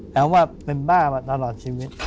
แสดงว่าเป็นบ้าตลอดชีวิต